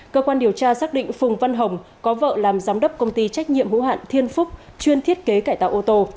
cơ quan điều tra xác định phùng văn hồng có vợ làm giám đốc công ty trách nhiệm hữu hạn thiên phúc chuyên thiết kế cải tạo ô tô